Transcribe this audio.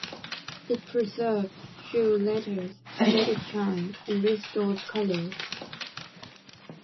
It preserved shoe leather, made it shine, and restored color.